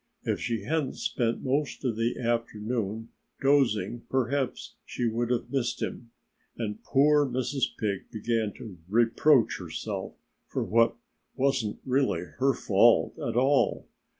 If she hadn't spent most of the afternoon dozing perhaps she would have missed him. And poor Mrs. Pig began to reproach herself for what wasn't really her fault at all.